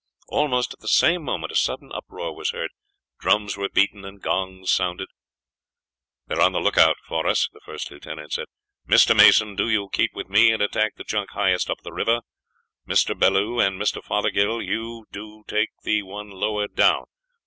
Almost at the same moment a sudden uproar was heard drums were beaten and gongs sounded. "They are on the lookout for us," the first lieutenant said. "Mr. Mason, do you keep with me and attack the junk highest up the river; Mr. Bellew and Mr. Fothergill, do you take the one lower down.